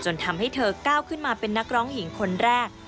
ทำให้เธอก้าวขึ้นมาเป็นนักร้องหญิงคนแรก